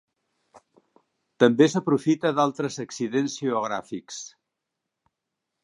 També s'aprofita d'altres accidents geogràfics.